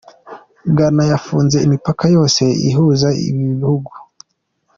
Gana yafunze imipaka yose iyihuza nibindi Bihugu